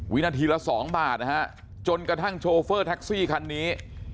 วินาทีละ๒บาทนะฮะจนกระทั่งโชเฟอร์แท็กซี่คันนี้